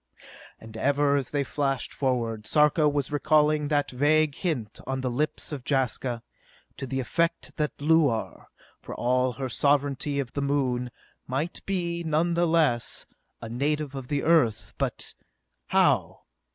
And ever, as they flashed forward, Sarka was recalling that vague hint on the lips of Jaska, to the effect that Luar, for all her sovereignty of the Moon, might be, nonetheless, a native of the Earth. But.... How?